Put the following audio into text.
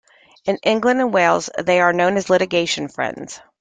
In England and Wales they are known as litigation friends.